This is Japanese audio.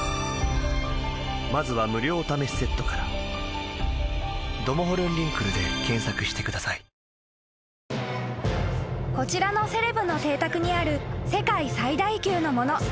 新しい「本麒麟」［こちらのセレブの邸宅にある世界最大級のもの］